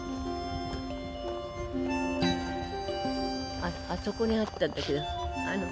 ああそこにあったんだけど。